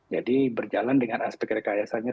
berjalan dengan aspek rekayasanya